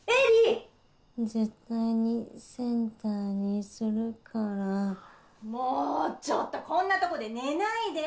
絶対にセンターにするからもうちょっとこんなとこで寝ないで！